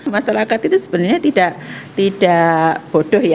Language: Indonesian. masyarakat itu sebenarnya tidak bodoh ya